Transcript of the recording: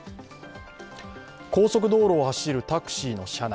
高速道路を走るタクシーの車内。